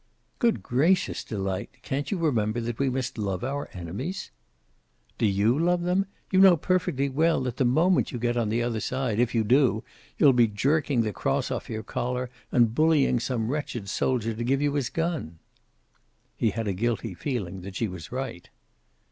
"Good gracious, Delight. Can't you remember that we must love our enemies?" "Do you love them? You know perfectly well that the moment you get on the other side, if you do, you'll be jerking the cross off your collar and bullying some wretched soldier to give you his gun." He had a guilty feeling that she was right.